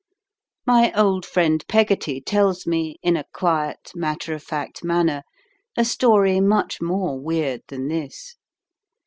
My old friend Peggotty tells me, in a quiet, matter of fact manner, a story much more weird than this.